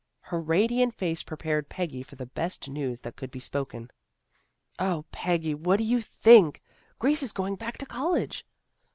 Her radiant face prepared Peggy for the best news that could be spoken. "O, Peggy! What do you think? Grace is going back to college."